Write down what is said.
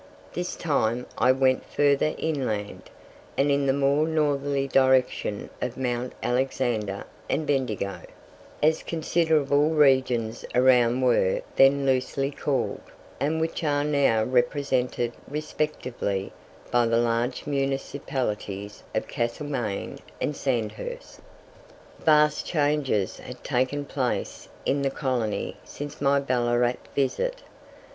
This time I went further inland, and in the more northerly direction of Mount Alexander and Bendigo, as considerable regions around were then loosely called, and which are now represented respectively by the large municipalities of Castlemaine and Sandhurst. Vast changes had taken place in the colony since my Ballarat visit.